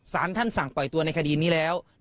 สารท่านสั่งปล่อยตัวในคดีนี้แล้ว